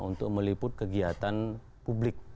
untuk meliput kegiatan publik